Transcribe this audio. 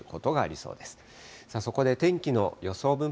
そこで天気の予想分布